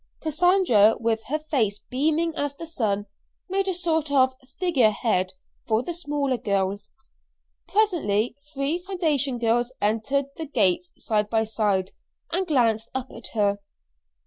Cassandra, with her face beaming as the sun, made a sort of figure head for the smaller girls. Presently three foundation girls entered the gates side by side and glanced up at her.